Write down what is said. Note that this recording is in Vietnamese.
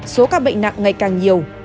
số các bệnh nặng ngày càng nhiều